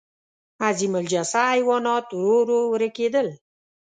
عظیم الجثه حیوانات ورو ورو ورکېدل.